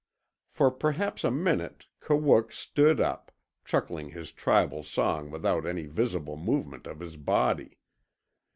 For perhaps a minute Kawook stood up, chuckling his tribal song without any visible movement of his body.